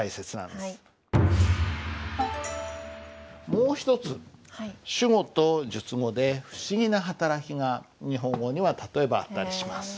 もう一つ主語と述語で不思議な働きが日本語には例えばあったりします。